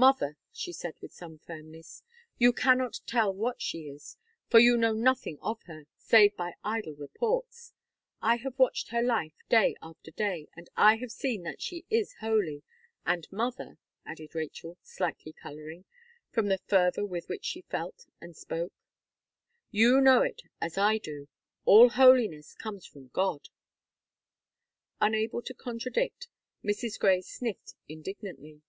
"Mother," she said, with some firmness, "you cannot tell what she is; for you know nothing of her, save by idle reports. I have watched her life day after day, and I have seen that it is holy. And, mother," added Rachel, slightly colouring, from the fervour with which she felt and spoke, "you know it as I do: all holiness comes from God." Unable to contradict, Mrs. Gray sniffed indignantly.